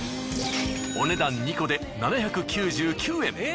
お値段２個で７９９円。